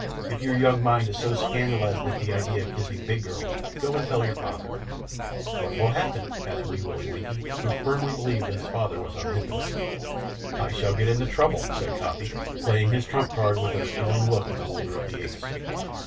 If your young mind is so scandalized at the idea of kissing big girls, go and tell your father." "What will happen?" said Wee Willie Winkie, who firmly believed that his father was omnipotent. "I shall get into trouble," said Coppy, playing his trump card with an appealing look at the holder of the ace.